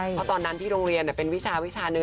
เพราะตอนนั้นที่โรงเรียนเนี่ยเป็นวิชานึง